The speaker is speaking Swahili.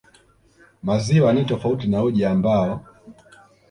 maziwa ni tofautiana na uji ambao